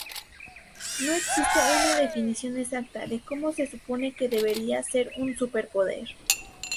No existe una definición exacta de cómo se supone que debería ser un superpoder.